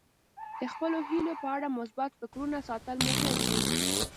د خپلو هیلو په اړه مثبت فکرونه ساتل مهم دي.